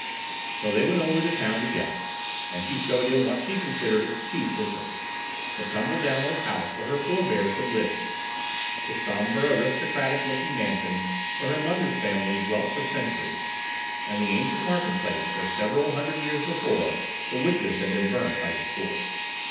So they went over the town together, and she showed him what she considered its chief interest: the tumble down old house where her forebears had lived; the sombre, aristocratic looking mansion where her mother's family dwelt for centuries, and the ancient market place where several hundred years before the witches had been burnt by the score.